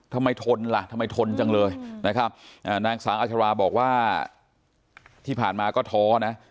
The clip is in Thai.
ทำไมทนล่ะทำไมทนจังเลยนะครับนางสาวอัชราบอกว่าที่ผ่านมาก็ท้อนะ